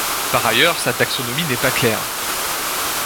Par ailleurs, sa taxonomie n'est pas claire.